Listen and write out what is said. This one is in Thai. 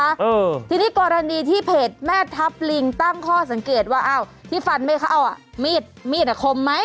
เออทีนี้กรณีที่เพจแม่ทัพลิงตั้งข้อสังเกตว่าอ้าวที่ฟันไม่เข้าอ่ะมีดมีดอ่ะคมไหม